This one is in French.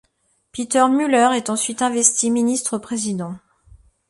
Peter Müller est ensuite investi ministre-président.